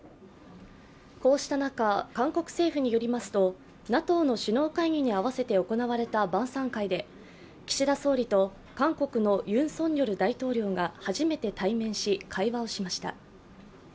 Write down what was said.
こうした中、韓国政府によりますとＮＡＴＯの首脳会議に合わせて行われた晩さん会で岸田総理と韓国のユン・ソンニョル大統領が初めて対面し会話をしました。